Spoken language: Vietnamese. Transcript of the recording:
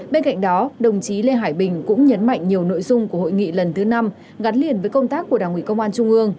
bên cạnh đó đồng chí lê hải bình cũng nhấn mạnh nhiều nội dung của hội nghị lần thứ năm gắn liền với công tác của đảng ủy công an trung ương